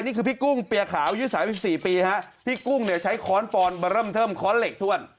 นี่คือพี่กุ้งเปรียข่ายุทธิษฐานสี่ปีฮะพี่กุ้งเนี่ยใช้ข้อนปอนด์บร้ำเทิมข้อเล็กทุ่น